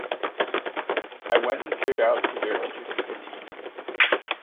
I went and peered out through their interstices.